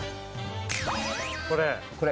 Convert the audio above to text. これ？